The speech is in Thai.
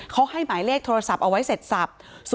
เขาให้หมายเลขโทรศัพท์เอาไว้เสร็จสับ